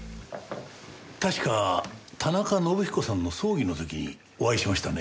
確か田中伸彦さんの葬儀の時にお会いしましたね。